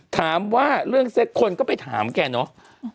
ถามว่าเรื่องเซ็กคนก็ไปถามแกเนอะ